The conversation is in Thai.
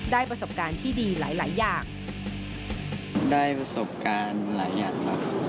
ประสบการณ์ที่ดีหลายหลายอย่างได้ประสบการณ์หลายอย่างครับ